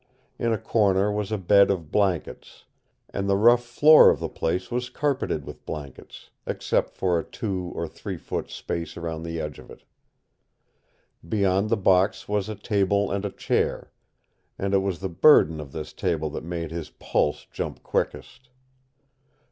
In a corner was a bed of blankets, and the rough floor of the place was carpeted with blankets, except for a two or three foot space around the edge of it. Beyond the box was a table and a chair, and it was the burden of this table that made his pulse jump quickest.